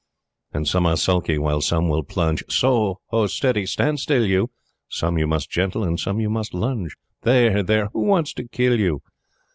"And some are sulky, while some will plunge [So ho! Steady! Stand still, you!] Some you must gentle, and some you must lunge. [There! There! Who wants to kill you?